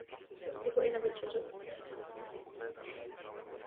Japonsko získalo divokou kartu.